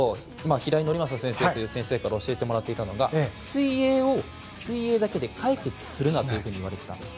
平井伯昌先生という先生から教えてもらっていたのが水泳を水泳だけで解決するなと言われていたんです。